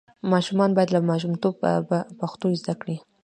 ماشومان باید له ماشومتوبه پښتو زده کړي.